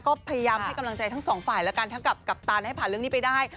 ก็พยายามให้กำลังใจทั้งสองฝ่ายแล้วกันทั้งกับกัปตันให้ผ่านเรื่องนี้ไปได้